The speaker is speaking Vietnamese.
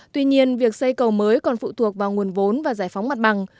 tuy nhiên việc xây cầu mới còn phụ thuộc vào nguồn vốn và giải phóng mặt bằng